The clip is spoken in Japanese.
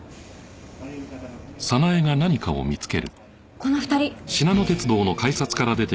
この２人。